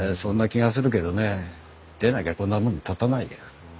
でなきゃこんなもん建たないよ。